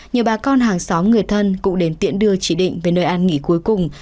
nhiều ba con hàng xóm người thân cũng đến tiễn đưa chị định về nơi ăn nghỉ cuối cùng